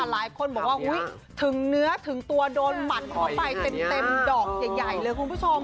หลายคนบอกว่าถึงเนื้อถึงตัวโดนหมัดเข้าไปเต็มดอกใหญ่เลยคุณผู้ชม